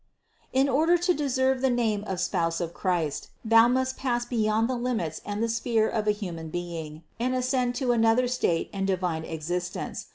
In order to deserve the name of spouse of Christ, thou must pass beyond the limits and the sphere of a human being and ascend to another state and divine existence.